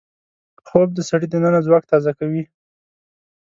خوب د سړي دننه ځواک تازه کوي